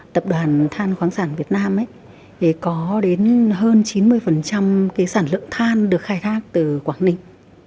tập đoàn than khoáng sản việt nam có đến hơn chín mươi sản lượng than được khai thác từ quảng ninh